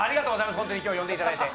本当に今日、呼んでいただいて。